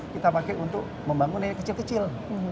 kita pakai untuk membangun yang kecil kecil